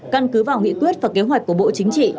căn cứ vào nghị quyết và kế hoạch của bộ chính trị